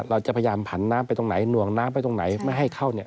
เราจะพยายามผันน้ำไปตรงไหนหน่วงน้ำไปตรงไหนไม่ให้เข้าเนี่ย